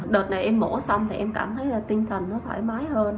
đợt này em mổ xong thì em cảm thấy là tinh thần nó thoải mái hơn